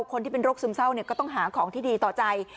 คนที่เป็นโรคซึมเศร้าก็ต้องหาของที่ดีต่อใจ